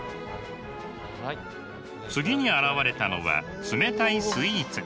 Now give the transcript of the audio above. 次に現れたのは冷たいスイーツ。